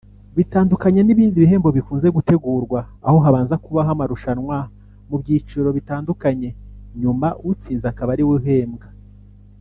Bitandukanye n’ibindi bihembo bikunze gutegurwa aho habanza kubaho amarushanwa mu byiciro bitandukanye nyuma utsinze akaba ariwe uhembwa